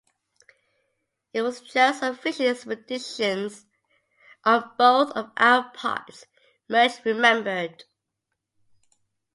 "It was just a fishing expedition on both of our parts," Murch remembered.